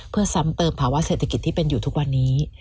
เพื่อซ้ำเติมภาวะเศรษฐกิจที่เป็นอยู่ทุกวันนี้